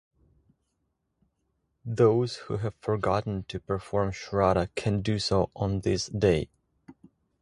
Those who have forgotten to perform shraddha can do so on this day.